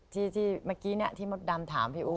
ที่เมื่อกี้ที่มดดำถามพี่อู๋